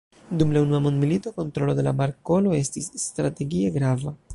Dum la unua mondmilito, kontrolo de la markolo estis strategie grava.